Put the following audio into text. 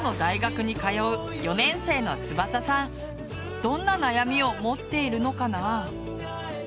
どんな悩みを持っているのかな？